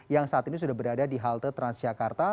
yang saat ini sudah berada di halte transjakarta